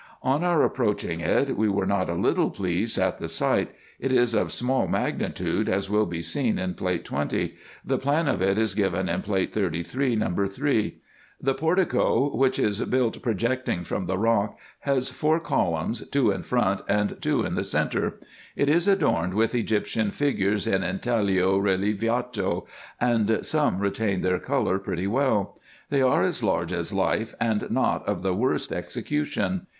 On our approaching it we were not a little pleased at the sight. It is of small magnitude, as will be seen in Plate 20. The plan of it is given in Plate 33, No. 3. The portico, which is built project ing from the rock, has four columns, two in front and two in the centre. It is adorned with Egyptian figures in intaglio relievato, and some retain their colour pretty well. They are as large as life, and not of the worst execution.